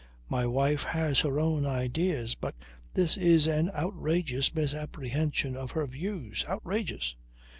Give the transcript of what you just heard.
My wife has her own ideas, but this is an outrageous misapprehension of her views. Outrageous."